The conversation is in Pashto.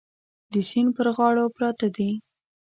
د سیند پر غاړو پراته دي.